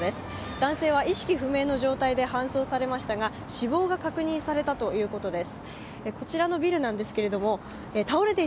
男性は意識不明の状態で搬送されましたが死亡が確認されたということです。